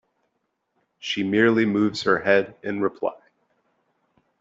She merely moves her head in reply.